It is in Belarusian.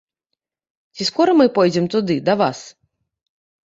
Ці скора мы пойдзем туды, да вас?